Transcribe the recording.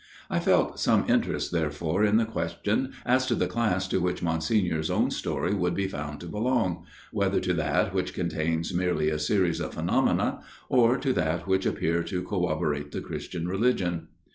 I felt some interest, therefore, in the question as to the class to which Monsignor's own story would be found to belong whether to that which contains merely a series of phenomena, or to that which appeared to corroborate the Christian religion.